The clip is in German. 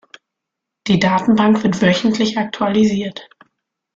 Die Datenbank wird wöchentlich aktualisiert.